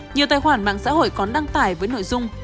nhiều tài khoản mạng xã hội còn đăng tải với nội dung